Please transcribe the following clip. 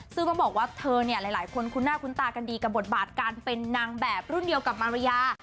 ซึ่งต้องบอกว่าเธอเนี่ยหลายคนคุ้นหน้าคุ้นตากันดีกับบทบาทการเป็นนางแบบรุ่นเดียวกับมารยา